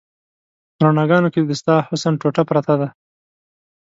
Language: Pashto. په رڼاګانو کې د ستا حسن ټوټه پرته ده